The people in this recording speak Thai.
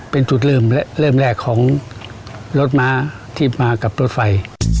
เป็นจุดเริ่มแรกของรถม้าที่มากับรถไฟ